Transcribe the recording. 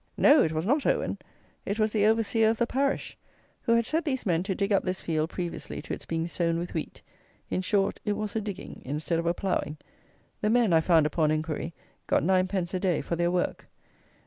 No: it was not Owen: it was the overseer of the parish, who had set these men to dig up this field previously to its being sown with wheat. In short, it was a digging instead of a ploughing. The men, I found upon inquiry, got 9_d._ a day for their work.